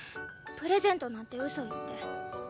プレゼントなんてウソ言って。